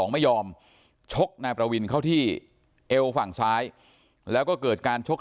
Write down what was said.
ไม่ยอมชกนายประวินเข้าที่เอวฝั่งซ้ายแล้วก็เกิดการชก